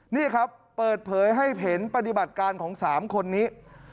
นี่ครับเปิดเผยให้เห็นปฏิบัติการของ๓คนนี้